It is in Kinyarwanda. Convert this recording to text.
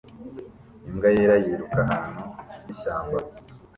Imbwa yera yiruka ahantu h'ishyamba